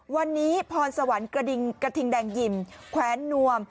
วันนี้พรสวรรค์กระทิงแดงยิมแขวนนวม